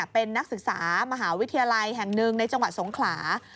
เป็นนักศึกษามหาวิทยาลัยแห่งหนึ่งในจังหวัดสงขลา